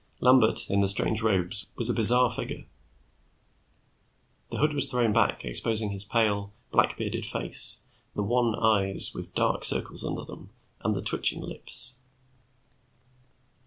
Lambert, in the strange robes, was a bizarre figure. The hood was thrown back, exposing his pale, black bearded face, the wan eyes with dark circles under them, and the twitching lips.